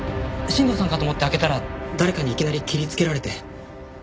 新藤さんかと思って開けたら誰かにいきなり切りつけられて。